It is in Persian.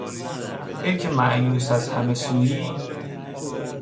ایکه مایوس از همه سویی...